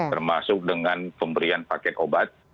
termasuk dengan pemberian paket obat